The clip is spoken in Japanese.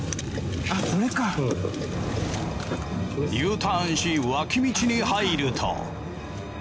Ｕターンし脇道に入ると。